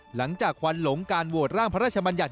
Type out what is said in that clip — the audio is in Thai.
หลังจากควันหลงการโหวตร่างพระราชบัญญัติ